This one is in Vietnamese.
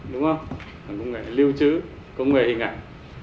đúng không công nghệ lưu trữ công nghệ hình ảnh